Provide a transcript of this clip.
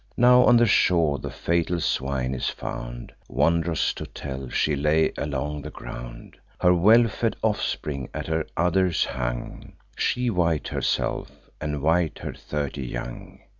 Now on the shore the fatal swine is found. Wond'rous to tell!—She lay along the ground: Her well fed offspring at her udders hung; She white herself, and white her thirty young.